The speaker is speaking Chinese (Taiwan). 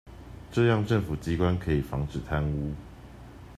這樣政府機關可以防止貪污